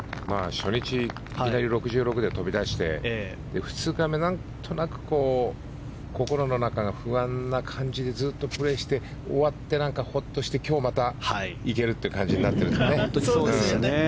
初日いきなり６６で飛び出して２日目、なんとなく心の中が不安な感じでずっとプレーして終わってなんかホッとして今日また、行けるという感じになってる。